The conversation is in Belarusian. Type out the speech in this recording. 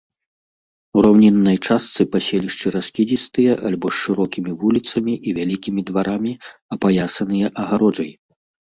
У раўніннай частцы паселішчы раскідзістыя альбо з шырокімі вуліцамі і вялікімі дварамі, апаясаныя агароджай.